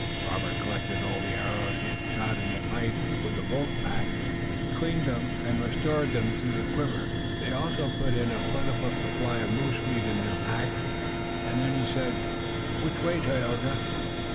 Robert collected all the arrows he had shot in the fight with the wolf pack, cleaned them and restored them to the quiver. They also put a plentiful supply of the moose meat in their packs, and then he said: "Which way, Tayoga?"